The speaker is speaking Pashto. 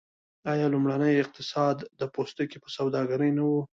آیا لومړنی اقتصاد د پوستکي په سوداګرۍ نه و؟